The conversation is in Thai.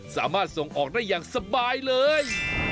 สามารถส่งออกได้อย่างสบายเลย